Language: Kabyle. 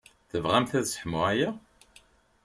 Tebɣamt ad sseḥmuɣ aya?